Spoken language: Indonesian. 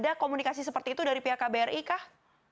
apakah itu dari pihak kbri kah